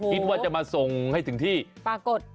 คิดว่าจะมาส่งให้ถึงที่ปรากฏ